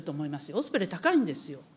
オスプレイ、高いんですよ。